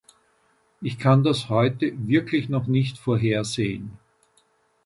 Ich kann das heute wirklich noch nicht vorhersehen.